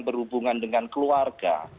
berhubungan dengan keluarga